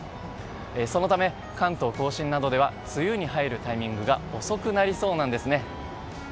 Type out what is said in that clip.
そのため、関東・甲信などでは梅雨に入るタイミングが遅くなりそうなんですね。